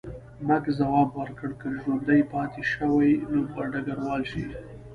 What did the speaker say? مک ځواب ورکړ، که ژوندی پاتې شوې نو به ډګروال شې.